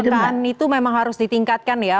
kelangkaan itu memang harus ditingkatkan ya